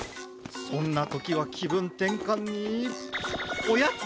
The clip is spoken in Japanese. そんなときはきぶんてんかんにおやっ？